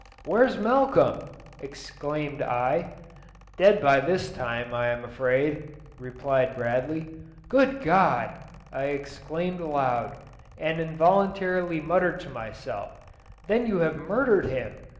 "Where's Malcolm?" exclaimed I. "Dead by this time, I am afraid," replied Bradley. "Good God!" I exclaimed aloud, and involuntarily muttered to myself, "Then you have murdered him."